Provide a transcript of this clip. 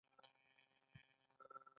هغه د ګلونه په بڼه د مینې سمبول جوړ کړ.